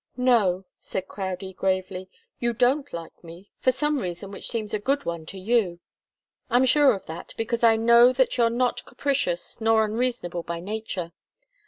"No," said Crowdie, gravely. "You don't like me, for some reason which seems a good one to you. I'm sure of that, because I know that you're not capricious nor unreasonable by nature.